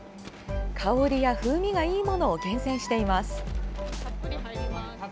香りや風味がいいものを厳選しています。